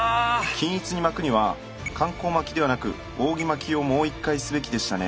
均一に巻くには環行巻きではなく扇巻きをもう一回すべきでしたね。